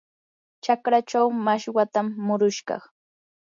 chakraachaw mashwatam murushaq.